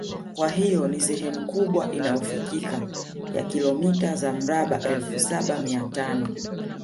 Kwa hiyo ni sehemu kubwa inayofikika ya kilomita za mraba elfu Saba Mia tano